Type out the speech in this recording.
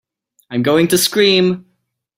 I'm going to scream!